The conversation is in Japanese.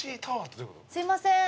すいません。